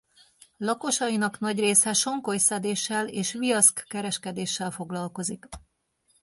Lakosainak nagy része sonkoly-szedéssel és viaszk-kereskedéssel foglalkozik.